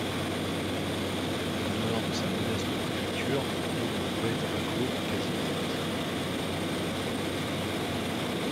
En dehors de sa modeste préfecture, l’île de Great Abaco est quasi déserte.